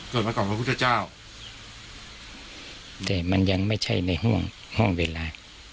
เกิดมาก่อนบนพระพุทธเจ้าแต่มันยังไม่ใช่ในห้องห้องเวลา